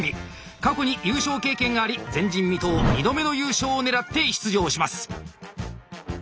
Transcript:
過去に優勝経験があり前人未到２度目の優勝を狙って出場します。